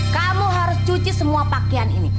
kamu harus cuci semua pakaian ini